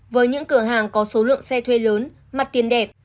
với những cửa hàng có số lượng xe thuê lớn mặt tiền đẹp